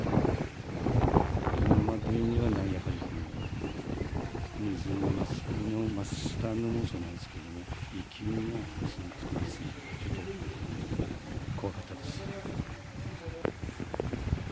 今までにはない、やはり水の増したのもそうなんですけども、勢いがすごくてですね、ちょっと怖かったです。